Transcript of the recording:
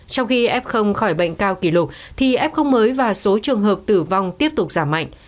trong khi f khỏi bệnh cao kỷ lục thì f mới và số trường hợp tử vong tiếp tục giảm mạnh